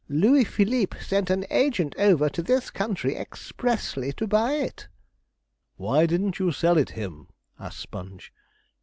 Louis Philippe sent an agent over to this country expressly to buy it.' 'Why didn't you sell it him?' asked Sponge.